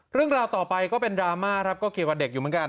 เรื่องราวต่อไปก็เป็นดราม่าครับก็เกี่ยวกับเด็กอยู่เหมือนกัน